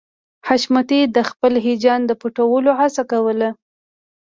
حشمتي د خپل هيجان د پټولو هڅه کوله